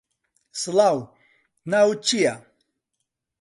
سڵاو، ناوت چییە؟